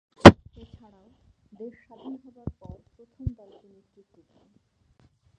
এছাড়াও, দেশ স্বাধীন হবার পর প্রথম দলকে নেতৃত্ব দেন।